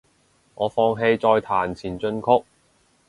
我放棄再彈前進曲